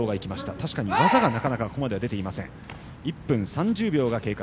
確かに、技がなかなかここまでは出ていません。